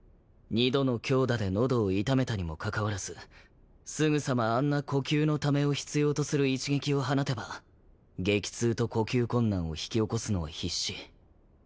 ２度の強打で喉を痛めたにもかかわらずすぐさまあんな呼吸のためを必要とする一撃を放てば激痛と呼吸困難を引き起こすのは必至。